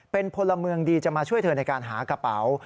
เป็นพลเมืองดีจะมาช่วยเธอในการหากระเป๋า